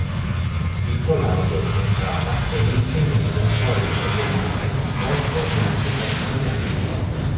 Il collaudo in entrata è l'insieme di controlli e verifiche svolte in "accettazione arrivi".